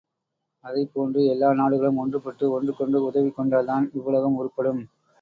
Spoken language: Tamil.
அதைப் போன்று எல்லா நாடுகளும் ஒன்றுபட்டு ஒன்றுக்கொன்று உதவிக் கொண்டால் தான் இவ்வுலகம் உருப்படும்.